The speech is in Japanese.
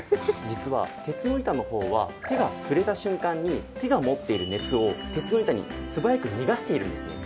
実は鉄の板の方は手が触れた瞬間に手が持っている熱を鉄の板に素早く逃がしているんですね。